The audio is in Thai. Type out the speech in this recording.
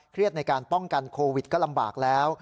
ในการป้องกันโควิดก็ลำบากแล้ว